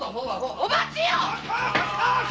お待ちよ